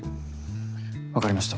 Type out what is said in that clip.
わかりました。